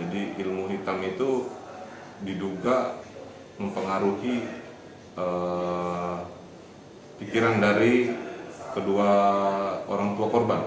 jadi ilmu hitam itu diduga mempengaruhi pikiran dari kedua orang tua korban